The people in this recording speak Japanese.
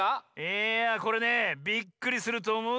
いやこれねビックリするとおもうぜ。